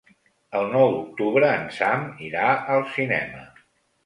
El nou d'octubre en Sam irà al cinema.